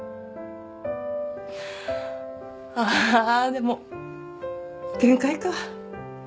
ああでも限界か。